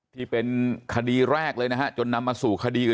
ที่เป็นคดีแรกเลยนะฮะจนนำมาสู่คดี